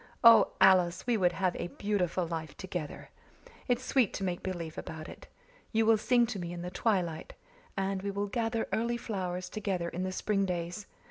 Oh, Alice, we would have a beautiful life together! It's sweet to make believe about it. You will sing to me in the twilight, and we will gather early flowers together in the spring days.